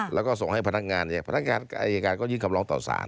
แล้วก็ส่งให้พนักงานพนักงานก็ยืนกำร้องต่อสาร